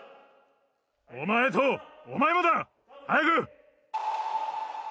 お前とお前もだ早く！